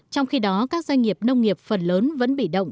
trong khi đó các doanh nghiệp nông nghiệp phần lớn vẫn bị động